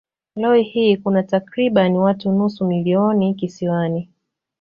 Leo hii kuna takriban watu nusu milioni kisiwani.